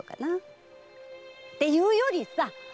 っていうよりさ！